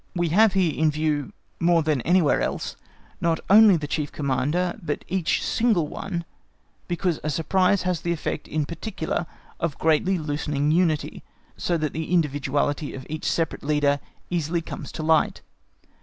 We have here in view more than anywhere else not only the chief Commander, but each single one, because a surprise has the effect in particular of greatly loosening unity, so that the individuality of each separate leader easily comes to light.